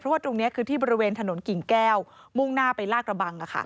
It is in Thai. ว่าตรงนี้คือที่บริเวณถนนกิ่งแก้วมุ่งหน้าไปลากระบัง